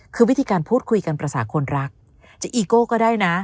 คือวิธีการพูดคุยกันภาษาคนรักจะอีโก้ก็ได้นะ